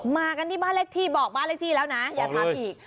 มากันที่บ้านเลขที่บอกบ้านเลขที่แล้วนะอย่าทำอีก